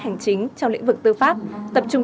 hành chính trong lĩnh vực tư pháp tập trung